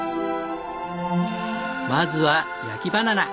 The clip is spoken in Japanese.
まずは焼きバナナ。